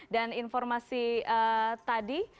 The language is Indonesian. dan informasi tadi